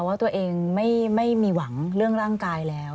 ว่าตัวเองไม่มีหวังเรื่องร่างกายแล้ว